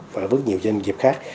và với nhiều doanh nghiệp khác